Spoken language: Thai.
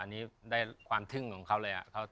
อันนี้ได้ความทึ่งของเขาเลย